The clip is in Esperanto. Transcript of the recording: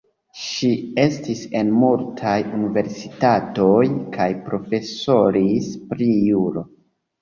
Ŝi estis en multaj universitatoj kaj profesoris pri juro.